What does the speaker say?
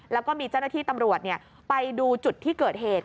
แล้วก็มีเจ้าหน้าที่ตำรวจไปดูจุดที่เกิดเหตุ